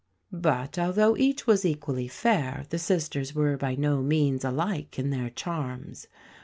But, although each was equally fair, the sisters were by no means alike in their charms.